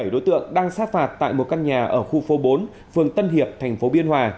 một mươi bảy đối tượng đang xác phạt tại một căn nhà ở khu phố bốn phường tân hiệp thành phố biên hòa